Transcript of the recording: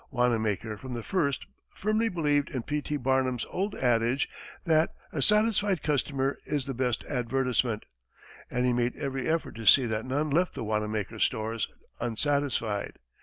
Wanamaker from the first firmly believed in P. T. Barnum's old adage that "A satisfied customer is the best advertisement," and he made every effort to see that none left the Wanamaker stores unsatisfied.